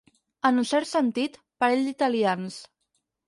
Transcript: En un cert sentit, parell d'italians.